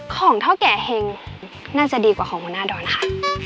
ของเท่าแก่แห่งน่าจะดีกว่าของมนาดรนะคะ